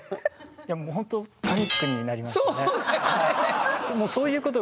いやほんとパニックになりましたね。